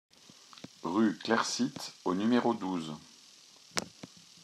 Rue Clair Site au numéro douze